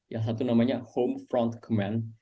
yang satu namanya home front command